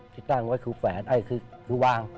ที่ตั้งไว้คือวาง